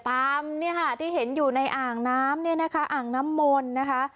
ตามเนี่ยค่ะที่เห็นอยู่ในอ่างน้ำเนี่ยนะคะอ่างน้ำมนต์นะคะ